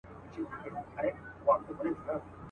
غزل به وي سارنګ به وي خو مطربان به نه وي.